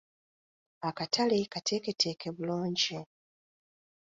Akatale kateeketeeke bulungi.